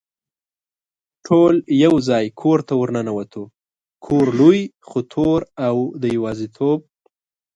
ټول یو ځای کور ته ور ننوتو، کور لوی خو تور او د یوازېتوب.